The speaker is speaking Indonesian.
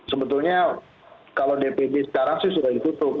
sebetulnya kalau dpd sekarang sih sudah ditutup